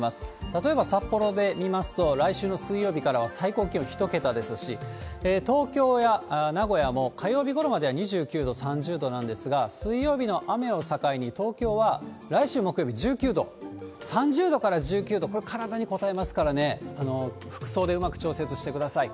例えば札幌で見ますと、来週の水曜日からは最高気温１桁ですし、東京や名古屋も火曜日ごろまでは２９度、３０度なんですが、水曜日の雨を境に、東京は来週木曜日１９度、３０度から１９度、これ、体にこたえますからね、服装でうまく調節してください。